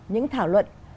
những thảo luận